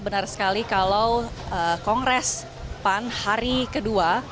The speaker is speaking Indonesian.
benar sekali kalau kongres pan hari kedua